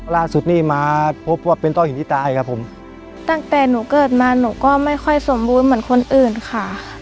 ล่าสุดนี่มาพบว่าเป็นต้อหินที่ตายครับผมตั้งแต่หนูเกิดมาหนูก็ไม่ค่อยสมบูรณ์เหมือนคนอื่นค่ะ